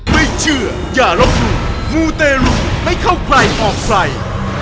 ไม่เชื่ออย่าลบหลู่มูเตรุไม่เข้าใครออกใคร